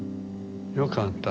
よかった。